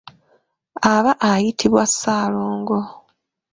Aba ayitibwa Ssaalongo.